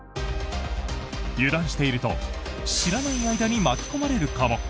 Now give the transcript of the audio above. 油断していると知らない間に巻き込まれるかも？